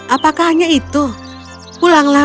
apakah hanya itu pulanglah